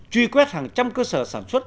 truy quét hàng trăm cơ sở sản xuất